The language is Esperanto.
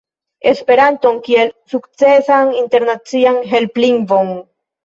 Esperanton kiel sukcesan internacian helplingvon